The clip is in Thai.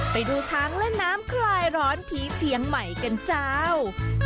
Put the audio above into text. ไปดูช้างและน้ำคลายร้อนที่เชียงใหม่กันเจ้า